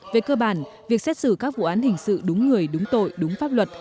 về cơ bản việc xét xử các vụ án hình sự đúng người đúng tội đúng pháp luật